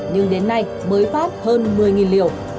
nhưng đến nay mới phát hơn một mươi liều